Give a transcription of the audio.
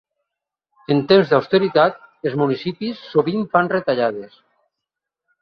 En temps d'austeritat, els municipis sovint fan retallades.